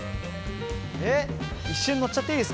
えっ一瞬乗っちゃっていいですか？